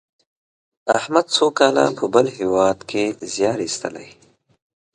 احمد څو کاله په بل هېواد کې زیار ایستلی.